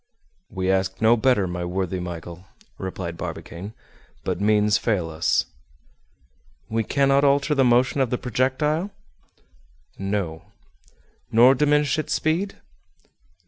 "We ask no better, my worthy Michel," replied Barbicane, "but means fail us." "We cannot alter the motion of the projectile?" "No." "Nor diminish its speed?"